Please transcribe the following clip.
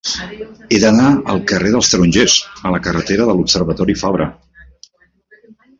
He d'anar del carrer dels Tarongers a la carretera de l'Observatori Fabra.